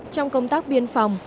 trong công tác biên phòng